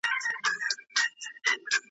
اصفهان چي یې لړزیږي له نامه د شاه محموده .